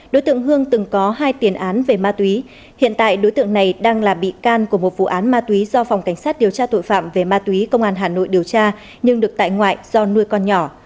đối tượng hương từng có hai tiền án về ma túy hiện tại đối tượng này đang là bị can của một vụ án ma túy do phòng cảnh sát điều tra tội phạm về ma túy công an hà nội điều tra nhưng được tại ngoại do nuôi con nhỏ